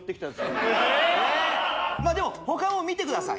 ええまあでも他も見てください